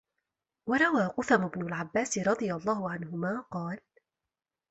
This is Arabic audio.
وَرَوَى قُثَمُ بْنُ الْعَبَّاسِ رَضِيَ اللَّهُ عَنْهُمَا قَالَ